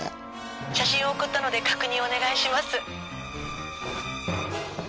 ☎写真を送ったので確認お願いします